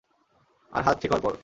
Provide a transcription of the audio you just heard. আর হাত ঠিক হওয়ার পর।